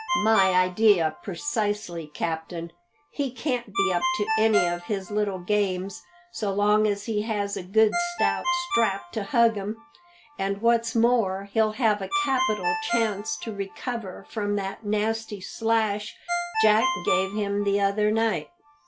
"My idea precisely, captain. He can't be up to any of his little games so long as he has a good stout strap to hug him; and, what's more, he'll have a capital chance to recover from that nasty slash Jack gave him the other night.